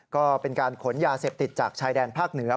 ก็เป็นการขนยาเสพติดจากชายแดนภาคเหนือ